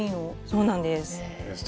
そうなんです。